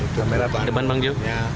pemerintah depan bang jo